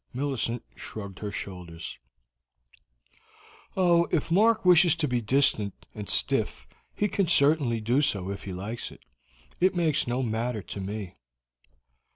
Millicent shrugged her shoulders. "Oh, if Mark wishes to be distant and stiff he can certainly do so if he likes it. It makes no matter to me."